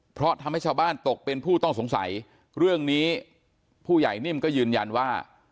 เพราะทำให้ชาวบ้านตกเป็นผู้ต้องสงสัยเรื่องนี้ผู้ใหญ่นิ่มก็ยืนยันว่า